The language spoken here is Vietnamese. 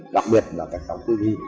đặc biệt là các tổng thư vi